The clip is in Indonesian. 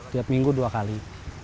tiap minggu dua kali